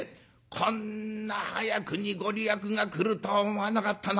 こんな早くに御利益が来るとは思わなかったな。